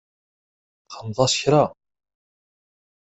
Txedmeḍ-as kra?